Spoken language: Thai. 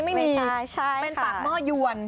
ไม่มีเป็นปากหม้อยวน